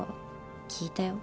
聞いたよ。